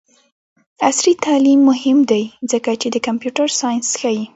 عصري تعلیم مهم دی ځکه چې د کمپیوټر ساینس ښيي.